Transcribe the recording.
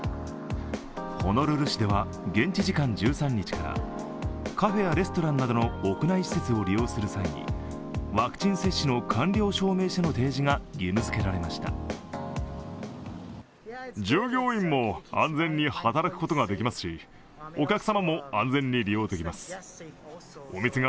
ホノルル市では現地時間１３日から、カフェやレストランなどの屋内施設を利用する際に、ワクチン接種の完了証明書の提示が義務付けられました。